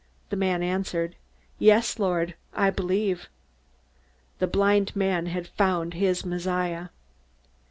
The man answered, "Yes, Lord, I believe." The blind man had found his Messiah.